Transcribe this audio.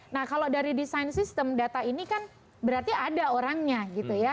nah kalau dari desain sistem data ini kan berarti ada orangnya gitu ya